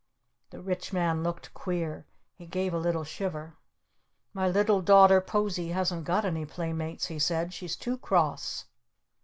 The Rich Man looked queer. He gave a little shiver. "My little daughter Posie hasn't got any playmates," he said. "She's too cross."